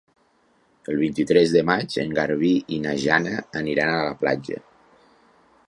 El vint-i-tres de maig en Garbí i na Jana aniran a la platja.